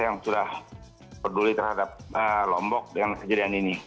yang sudah peduli terhadap lombok dengan kejadian ini